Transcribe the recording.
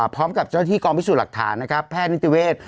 พร้อมกับเจ้าที่กองวิสูจน์หลักฐานนะครับแพทย์นิตยุเวศ